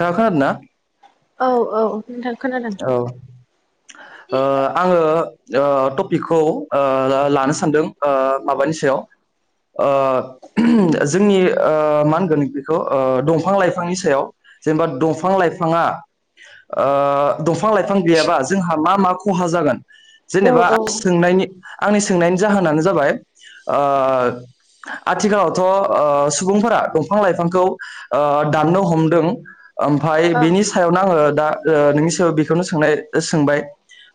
नोंथाङा खोनादों ना औ औ नोथां औ ओ आङो ओ टपिकखौ ओ ला-लानो सानदों ओ माबानि सायाव ओ जोंनि ओ मा होनगोन बिखौ ओ दंफां लाइफांनि सायाव जेनबा दंफां लाइफाङा ओ दंफां लाइफां गैयाबा जोंहा मा मा खहा जागोन। औ जेनेबा औ सोंनायनि आंनि सोंनायनि जाहोनानो जाबाय ओ आथिखालावथ' ओ सुबुंफोरा दंफां लाइफांखौ ओ दाननो हमदों। ओमफाय बिनि औ सायावनो आङो दा। ओ नोंनि से राव बेखौनो सोंनाय सोंबाय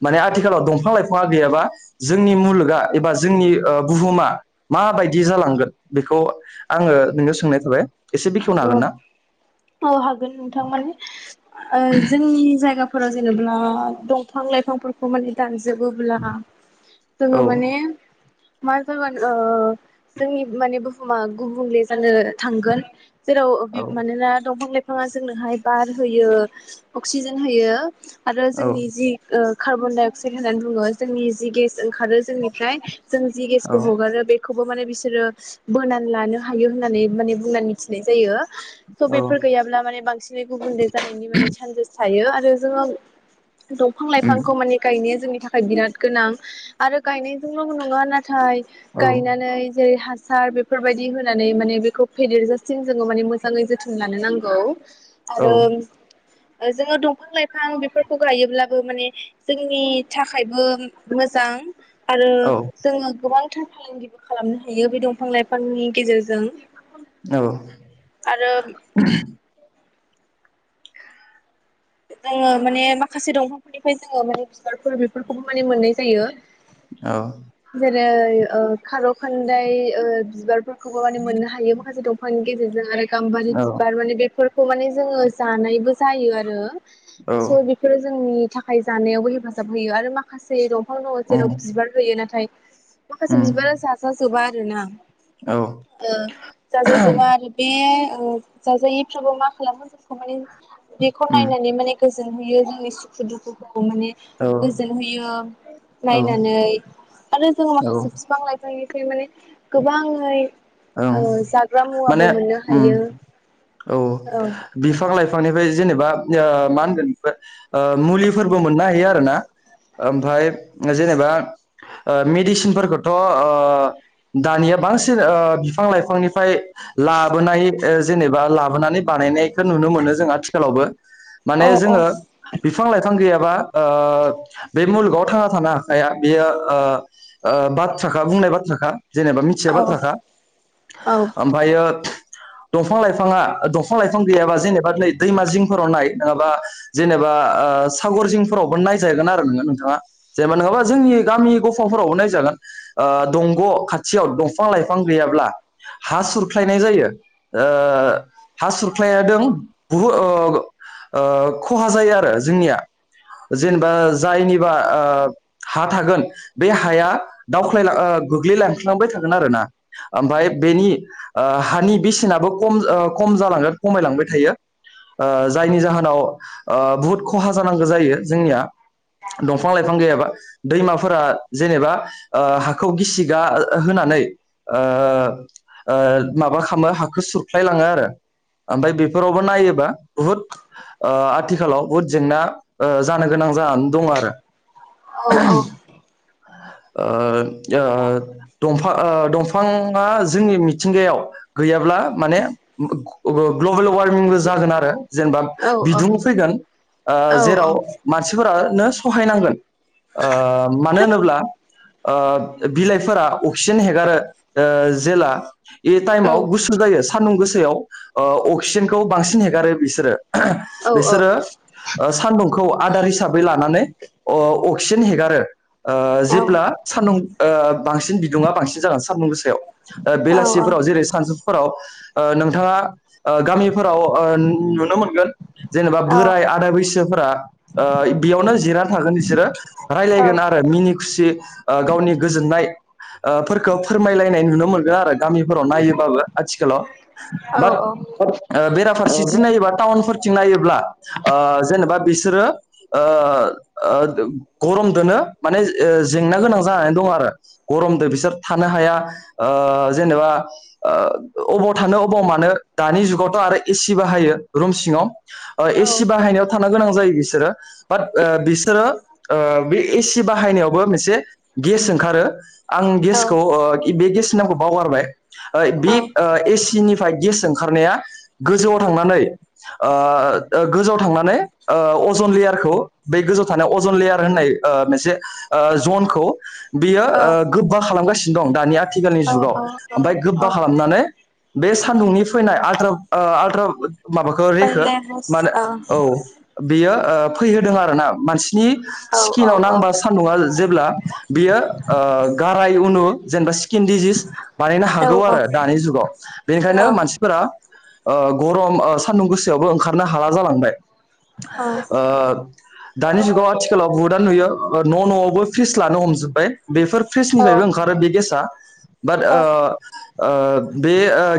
माने आथिखालाव दंफां लाइफाङा गैयाबा जोंनि मुलुगा एबा जोंनि ओ बुहुमा माबायदि जालांगोन बेखौ आङो नोंनियाव सोंनाय थाबाय। एसे बेखेवनो औ हागोन ना औ हागोन नोंथां माने ओ जोंनि जायगा फोराव जेनेबा दंफां लाइफांफोरखौ माने दान जोबोब्ला जोङो औ माने। मा जागोन ओ जोंनि माने बुहु मा गुबुंले जानो थांगोन जेराव ओ औ मानोना दंफां लायफां या जोंनोहाय बार होयो अक्सिजेन होयो आरो औ जोंनि जि ओ कार्बन डाइ अक्साइद होननानै बुङो जोंनि जि गेस ओंखारो जोंनिफ्राय। जों जि औ गेसखौ हगारो बे। खौबो माने बिसोरो बोनानै लानो हायो होननानै माने बुंनानै मिथिनाय जायो। स' औ बेफोर गैयाब्ला माने बांसिनै गुबुनले जानायनि माने सान थायो आरो जोङो दंफां उम लाइफांखौ माने गायनाया जोंनि थाखाय बिराद गोनां आरो गायनायजोंल' नङा ना थाइ औ गायनानै जेरै हा सार बेफोरबायदि होनानै माने बेखौ फेदेर गो जों-जोङो माने मोजाङै जोथोन लानो नांगौ। औ आरो ओ जोङो दंफां लाइफां बेफोरखौ गायोब्लाबो माने जोंनि थाखायबो मोजां। आरो जोङो गोबां। फालांगिबो खालामनो हायो बे दंफां लाइफांनि गेजेरजों। औ। आरो [unintelligible] जोङो माने माखासे दंफा निफ्राय जोङो माने बिबारफोर बेफोरखौबो माने मोननाय जायो। औ जेरै ओ खार' खानदाय ओ बिबार खौबो माने मोननो हायो माखासे दं [unintelligible] गेजेरजों आरो गाम्बारि औ बिबार माने बेफोर खौ माने जोंङो जानायबो जायो आरो औ स' बेफोरो जोंनि थाखाय जानायावबो हेफाजाब होयो आरो माखासे [unintelligible] दंफां दंङ उम जेराव बिबार होयो नाथाय माखासे उम बिबारा जाजा जोबा। [unintelligible] औ ओ जाजाजोबा आरो बे उम जाजायै फ्राबो मा खालामो बेखौ उम माने [unintelligible] [unintelligible] माने गोजोनहोयो जोंनि सुखु दुखुखौ माने औ गोजोन होयो औ नायनानै आरो जोंङो औ माखासे बिफां लाइफांनि माने गोबांङै ओं माने हायो [unintelligible] औ बिफां लाइ फांनिफ्राय जेनेबा ओ मा होनगोन ओ मुलिफोरबो मोननो हायो आरोना ओमफाय जेनेबा ओ मेडिसिनफोरखौथ' ओ दानिया बांसिन ओ बिफां लाइफांनिफ्राय लाबोनाय जेनेबा लाबोनानै बानायनायखौ नुनो मोनो जों आथिखालावबो। अ माने जोंङो बिफां लाइफां गैया बा ओ बे मुलुगाव थांना थानो हाखाया बेयो ओ ओ बाथ्राखा बुंनाय बाथ्राखा। जेनेबा अ मिथिनाय बाथ्राखा। औ ओमफायो दंफां लाइफाङा दंफां लाइफां गैयाबा जेनेबा नै दैमा जिंफोराव नाय नङाबा जेनेबा ओ सागर जिंफोरावबो नायजागोन आरो नोंङो नोंथाङा जेनेबा नंङाबा जोंनि गामि गफाफोरावबो नायजागोन ओ दंग' खाथियाव दंफां लाइ फां गैयाब्ला हा सुरख्लायनाय जायो ओ हा सुरख्लायादों बहु ओ ओ खहा जायो आरो जोंनिया जेनेबा जायनिबा ओ हा थागोन बे हाया दावख्लायां ओ गोग्लैलांख्लांबाय थागोन आरो ना। ओमफाय बेनि ओ हानि बेसेनाबो खम ओ खम जालांगोन खमायलांबाय थायो ओ जायनि जाहोनाव ओ बुहुद खहा जानांगौ जायो जोंनिया दंफां लाइफां गैयाबा दैमाफोरा जेनेबा ओ हाखौ गिसिगा होनानै ओ ओ माबा खालामो हाखौ सुरफ्लायलांङो आरो ओमफ्राय बेफोरावबो नायोबा बुहुद ओ आथिखालाव बहुद जेंना ओ जानो गोनां जानानै दंङ आरो। औ औ। [unintelligible] [unintelligible] जोंनि मिथिंगायाव गैयाब्ला माने ग्लबेल वार्मिबो जागोन आरो। जेनेबा औ बिदुं फैगोन ओ औ जेराव मानसिफोरानो सहायनांगोन। ओ मानो होनोब्ला ओ बिलाइफोरा अक्सिजेन हेगारो। ओ जेला ए टाइमाव गुसो जायो सानदुं गो [unintelligible] ओ अक्सिजेनखौ बांसिन हेगारो बिसोरो। बिसोरो ओ सान्दुंखौ आदार हिसाबै लानानै अ अक्सिजेन हेगारो। ओ औ जेब्ला सानदुं ओ बांसिन बिदुुंङा बांसिन जागोन [unintelligible] बेयाव ओ बेलासिफोराव जेरै सानसुफोराव ओ नोंथाङा ओ गामिफोराव ओ नुनो मोनगोन जेनेबा बोराय आदा बैसोफोरा ओ बेयावनो जिरना थागोन बिसोरो रायज्लायनगोन आरो मिनि खुसि ओ गावनि गोजोननाय ओ फोरखौ फोरमायलाय। [unintelligible] नुनो मोनगोन आरो गामिफोराव नायोबाबो आथिखालाव बाट बेराफारसेथिं नायोबा टाउनफोरथिं नायोब्ला ओ जेनेबा बिसोरो गरमदोनो माने जेंना गोनां जानानै दं आरो गरमजों बिसोर थानो हाया ओ जेनेबा अबाव थानो अबाव मानो दानि जुगावथ' आरो एसि बाहायो रुम सिङाव ओ एसि बाहायनायाव थानो गोनां जायो बिसोरो बाट बिसोरो बे एसि बाहायनायावबो मोनसे गेस ओंखारो आं गेसखौ ओ बे गेसिनि नामखौ बावगारबाय । ओ औ बि एसिनि गेस ओंखारनाया गोजौआव थांनानै गोजौआव थांनानै अज'न लेयारखौ बे गोजौआव थानाय अजन लेयार होननाय मोनसे ज'नखौ बियो औ गोबा खालामगासिनो दं । दानिया आथिखालनि औ औ जुगाव औ ओमफ्राय औ गोबा खालामनानै बे सान्दुंनि फैनाय आलट्रोम आलट्रोम माबाखौ रेखौ माने औ । बियो फैहोदों आरो ना मानसि बिनि औ औ स्किनाव औ नांबा सान्दुंङा जेब्ला बियो ओ गाराइ उनो जेनेबा स्किन डिजिच बानायनो औ हागौ आरो दानि जुगाव बेनिखायनो मानसिफोरा ओ गरम सानदुं गोसायावबो ओंखारनो हाला जालांबाय । ओ दानि जुगाव आथिखालाव बुहुतआ नुयो न' न'आवबो फ्रिज लानो हमजोबबाय । बेफोर फ्रिजनिफ्रायबो ओंखारो बे गेसा बात औ ओ ओ बे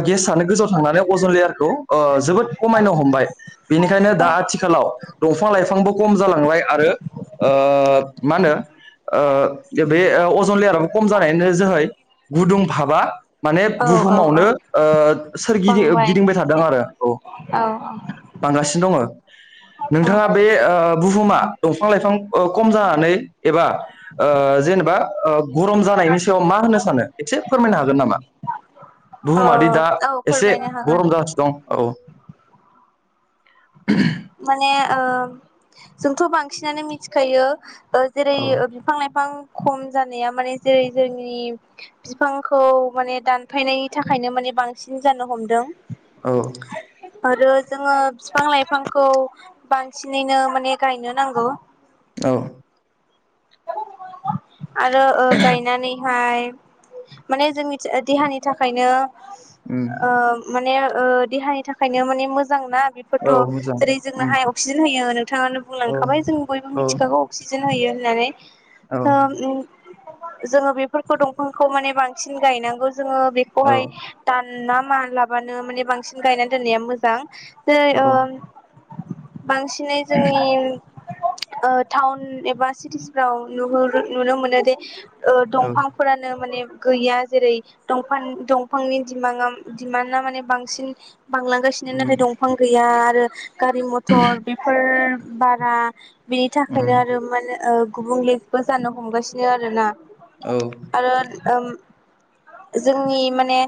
गेसानो गोजौआव थांनानै अजन लेयारखौ जोबोद खमायनो हमबाय। बेनिखायनो दा आथिखालाव दंफां लाइफांबो खम जालांबाय आरो ओ मा होनो बे ओ अजन लेयाराबो खम जानाय जोहै गुदुं भाबा माने औ औ बुहुमावनो औ ओ सोरगिदि बांबाय गिदिंबाय थादों आरो औ औ बांगासिनो दङ'। औ औ नोंथाङा बे ओ बुहुमा दंफां लाइफां खम जानानै एबा ओ जेनेबा गरम जानायनि मा होनो सानो एसे फोरमायनो हागोन नामा? बुहुमादि औ दा औ एसे फोरमायनो हागोन गरम जागासिनो दं औ । माने ओ जोंथ' बांसिनानो मिथिखायो ओ जेरै औ ओ बिफां-लाइफां खम जानाया माने जेरै जोंनि बिफांखौ माने दानफायनायनि थाखायनो माने बांसिन जानो हमदों। औ। आरो जोङो बिफां लाइफां खौ बांसिनैनो माने गायनो नांगौ। औ। आरो ओ गायनानैहाय माने जोंनि देहानि थाखायनो उम ओ माने ओ देहानि थाखायनो माने मोजांना औ मोजां बेफोरथ' जेरै उम जोंनोहाय अक्सिजेन होयो। बिथाङानो औ बुंलांखाबाय जों बयबो औ मिथिखागौ अक्सिजेन होयो होननानै। औ। ओ जोङो बेफोरखौ दंफांखौ माने बांसिन गायनांगौ जोङो औ बेखौहाय दान ना मालाबानो माने बांसिन गायना दोननाया मोजां। जेरै ओम बांसिनै जोंनि ओ टाउन एबा सिटिसफ्राव नुहुरो नुनो मोनो दे ओ औ दंफांफोरानो माने गैया जेरै दंफां दंफांनि दिमां दिमान्डा माने बांसिन बांलांगासिनो उम नाथाय दंफां गैया आरो [unintelligible] गारि मथर बेफोर बारा बिनि उम थाखायनो आरो माने ओ गुबुंले [unintelligible] जानो हमगासिनो आरोना। औ आरो ओम जोंनि माने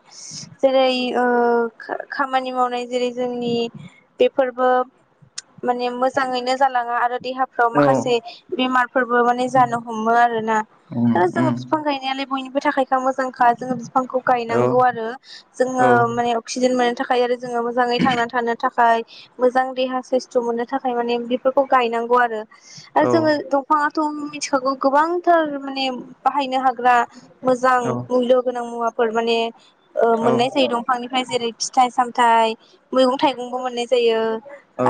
जेरै ओ खामानि मावनाय जेरै जोंनि बेफोरबो माने मोजाङैनो जालाङा आरो देहाफ्राव माखासे बेमारफोरबो मानो जानो हमो आरोना उम आरो जोङो उम बिफां गायनायालाय बयनिबो थाखायखा मोजांखा जोङो। बिफांखौ औ गायनांगौ आरो औ जोङो माने अक्सिजेन। थाखाय आरो। जोङो मोजाङै थांना थानो थाखाय। मोजां देहा साइस्थ' मोननो थाखाय माने बेफोरखौ गायनांगौ आरो। आरो जोङो दंफां। मिथिखागौ। गोबांथार माने बाहायनो हाग्रा। मोजां औ मुल्य गोनां मुवाफोर माने औ मोननाय जायो दंफांनिफ्राय जेरै फिथाइ सामथायाइ मैगं थाइगंबो मोननाय जायो।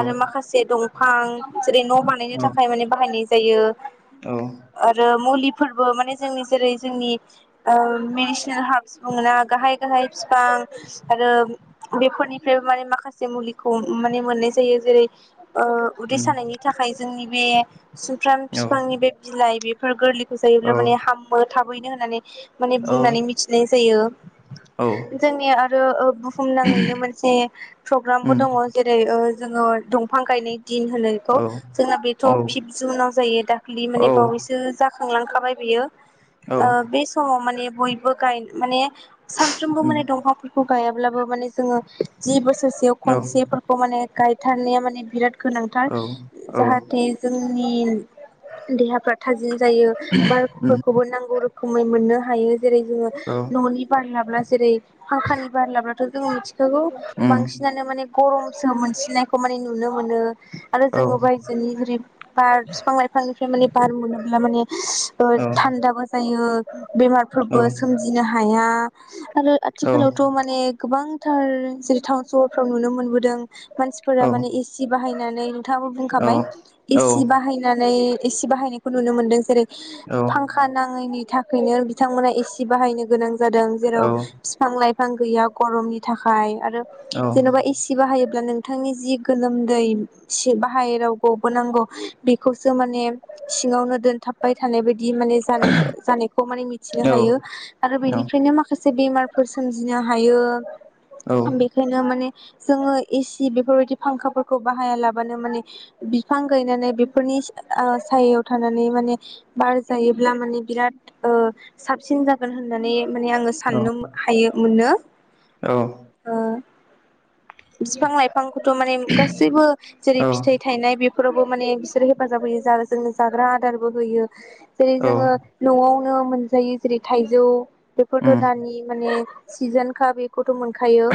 आरो माखासे दं। [inaudible] जेरै न' बानायनो थाखाय माने बाहायनाय। जायो। औ। आरो मुलिफोरबो माने जोंनि जेरै जोंनि मेडिसिनेल हार्बसबो मोना गाहाय गाहाय फिफां आरो बेफोरनिफ्रायबो माने माखासे मुलिखौ माने मोननाय जायो जेरै उदै सानायनि थाखाय जोंनि। [inaudible] सुमफ्राम बिफांनि बे बिलाइ बेफोर गोरलि। औ जायोब्ला माने हामो। थाबैनो होननानै। माने औ बुंनानै मिथिनाय जायो। औ उम जोंनि [unintelligible] [inaudible] भुमनाङैनो मोनसे प्रग्रामबो दङ जेरै। जोङो दंफां गायनाय। दिन होनो बेखौ औ जोंना बेथ' औ फिप जुनाव जायो दाखालि औ माने बावैसो। जाखांलांखाबाय बियो। औ ओ बे समाव माने। बयबो गाय माने। सानफ्रोमबो उम माने दंफांफोरखौ गाया। अब्लाबो माने जोङो। जि बोसोरसेयाव औ खनसेफोरखौ माने। गायथारनाय माने बिराद गोनांथार औ औ जाहाथे जों [unintelligible] देहा [unintelligible] थाजिम जायो उम बारफोरखौबो नांगौ रो खुमै मोननो हायो जेरै जोङो औ न'नि बार लाब्ला जेरै फांखानि बारलाब्लाथ' जों मिथिखागौ उम बांसिनानो माने गरमसो मोनसिनाय खौ माने नुनो मोनो आरो औ जोङो बायजोनि जेरै बार फिफां लाइफांनिफ्राय माने बार मोनो दा माने [unintelligible] ओ औ थान्दाबो जायो औ बेमारफोरबो सोमजिनो हाया दा [unintelligible] आरो औ आथिखालावथ' माने गोबांथार जेरै थाउन सहरफ्राव नुनो मोनबोदों मानसिफोरा औ माने औ एसि बाहायनानै नोंथाङाबो बुंखाबाय औ उम औ उम औ उम औ उम एसि औ बाहायनानै एसि बाहायनाय खौ नुनो मोनदों जेरै फांखा नाङैनि था [unintelligible] थांमोना एसि बाहायनो गोनां जादों जेराव फिफां लाइफां गैया गरमनि थाखाय आरो जेन'बा एसि बाहायोब्ला नों थांनि जि गोलोमदै जे बाहेराव गबोनांगौ बेखौसो माने सिङावनो दोनथाबबाय थानाय बाय दि माने जानायखौ जानायखौ माने मिथिनो हायो आरो बेनिफ्रायनो माखासे बेमारफोर सोमजिनो हायो बेखायनो माने जोङो एसि बेफोरबायदि फांखाफोरखौ बाहाया लाबानो माने बिफां गायनानै बेफोरनिस ओ सायायाव थानानै माने बार जायोब्ला माने बिराद ओ साबसिन जागोन होननानै माने आङो साननोम हायो मोनो ओ बिफां लाइफांखौथ' माने गासैबो जेरै फिथाइ थायनाय बे फोरावबो माने बिसोर हेफाजाब होयो जा जोंनो जाग्रा आदारबो होयो जेरै जोङो न'आव याव मोनजायो जेरै थाइजौ बेफोरथ' दानि माने सिजोनखा बेखुद थ' मोनखायो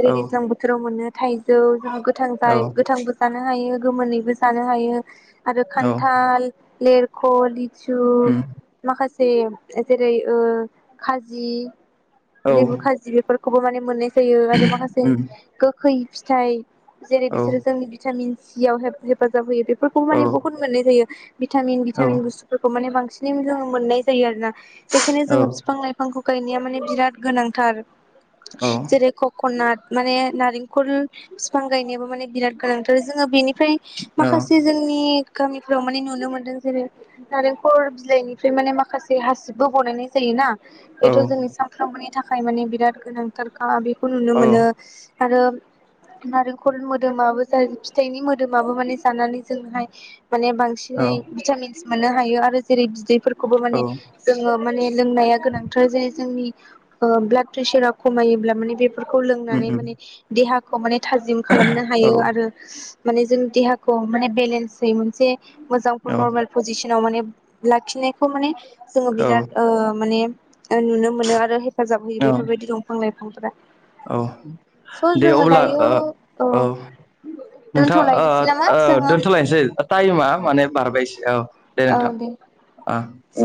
रजेरै दैज्लां बोथोराव मोनो। थाइजौ जों गो गोथां थाय गोथांबो जानो जानो हायो गोमोनैबो जानो हायो। आरो खान न्थाल लेरख लिब सु माखास हैयोम जेरै ओह खाजि लेबुखाजि बेफोर खौबो माने मोननाय होयो आरो माखासे गोखै फिथाइ जेरै बिसोरो जोंनि भिटामिन इयाव हेफ-हेफाजाब होयो बेफ फोरखौबो माने बहुद होयो। भिटामिन भिटामिन बुस्थुफोरखौ माने बांसिनै जों मोननाय जायो आरोना। बेखायनो जोङो फिफां लाइफांखौ गायनाया माने बिराद गोनांथार जेरै कक'नाट माने नारेंखल बिफां गायनायाबो माने बिराद गोनांथार जोङो बेनि ओमफ्राय माखासे जोंनि गामिफ्राव माने नुनो मोन्दों जेरै नारेंखल बिलाइनिफ्राय माने माखासे हासिबबो बानायनाय जायो ना बेथ' जोंनि [unintelligible] थाखाय माने बिराद गोनांथारखा बे खौ नुनो मोनो आरो नारेंखल मोदोमाबो जा फिथाइनि मोदोमाबो माने जानानै जोंहाय माने बांसिनै भिटामिनस मोननो हायो आरो जेरै बिदैफोर खौबो माने जोङो माने लोंनाया गोनांथार जे जोंनि ओं ब्लाद प्रेसारा खमायोब्ला माने बे खौ लोंनानै माने देहा खौ माने थाजिम खालामनो हायो आरो माने जों देहाखौ माने बेलेन्स जायोमोन जे [unintelligible] माने लाखिनायखौ माने जोङो बिराद ओ माने ओ नुनो मोनो आरो हेफाजाब होयो औ बेफोरबायदि दंफां लाइफां ओमफ्राय औ दे अब्ला दायो ओ औ ओ नोंथाङा ओ दोनथ'लायनोसै नामा ओ जोङो दोन्थ'लायनोसै टाइमा माने बारबाय औ दे ओ दे